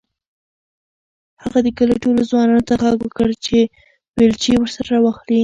هغه د کلي ټولو ځوانانو ته غږ وکړ چې بیلچې ورسره راواخلي.